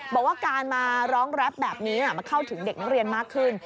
บอกว่าการมาร้องแรปแบบนี้มันเข้าถึงเด็กนักเรียนมากขึ้น